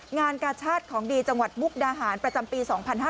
งานกาชาติของดีจังหวัดมุกดาหารประจำปี๒๕๕๙